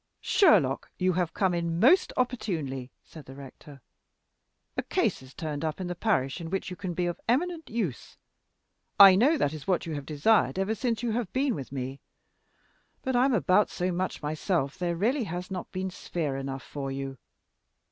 "Sherlock, you have come in most opportunely," said the rector. "A case has turned up in the parish in which you can be of eminent use. I know that is what you have desired ever since you have been with me. But I'm about so much myself that there really has not been sphere enough for you.